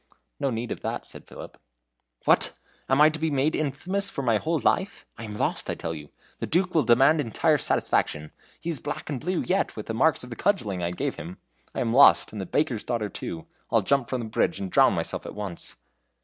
"No need of that," said Philip. "What! am I to be made infamous for my whole life? I am lost, I tell you. The Duke will demand entire satisfaction. His back is black and blue yet with the marks of the cudgelling I gave him. I am lost, and the baker's daughter too! I'll jump from the bridge and drown myself at once!"